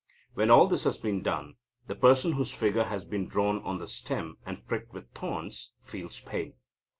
When all this has been done, the person whose figure has been drawn on the stem, and pricked with thorns, feels pain."